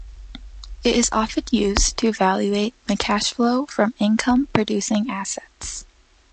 It is often used to evaluate the cash flow from income-producing assets.